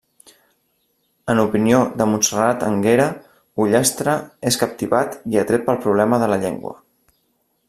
En opinió de Montserrat Anguera, Ullastre és captivat i atret pel problema de la llengua.